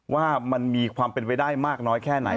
ว่ามันมีความเป็นไปได้มากน้อยแค่ไหน